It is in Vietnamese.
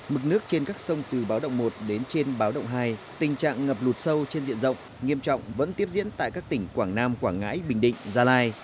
mực nước trên các sông từ báo động một đến trên báo động hai tình trạng ngập lụt sâu trên diện rộng nghiêm trọng vẫn tiếp diễn tại các tỉnh quảng nam quảng ngãi bình định gia lai